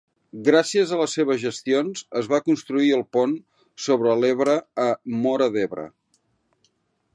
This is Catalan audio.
Gràcies a les seves gestions es va construir el pont sobre l'Ebre a Móra d'Ebre.